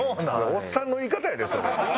おっさんの言い方やでそれ。